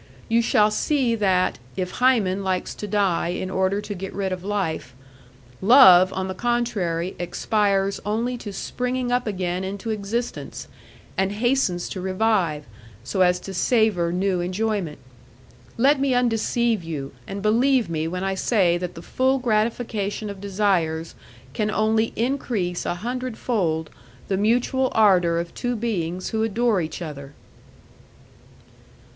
You shall see that, if Hymen likes to die in order to get rid of life, Love on the contrary expires only to spring up again into existence, and hastens to revive, so as to savour new enjoyment. Let me undeceive you, and believe me when I say that the full gratification of desires can only increase a hundredfold the mutual ardour of two beings who adore each other."